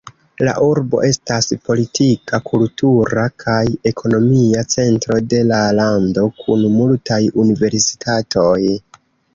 La urbo estas politika, kultura kaj ekonomia centro de la lando kun multaj universitatoj.